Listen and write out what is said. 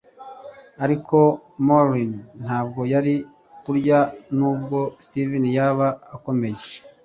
ariko maureen ntabwo yari kurya nubwo steve yaba akomeye